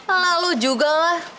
eh lalu juga lah